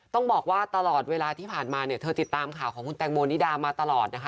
ต้องบอกว่าตลอดเวลาที่ผ่านมาเนี่ยเธอติดตามข่าวของคุณแตงโมนิดามาตลอดนะคะ